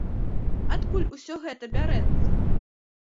Адкуль усё гэта бярэцца?